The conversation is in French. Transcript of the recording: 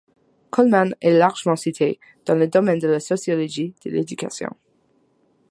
Coleman est largement cité dans le domaine de la sociologie de l'éducation.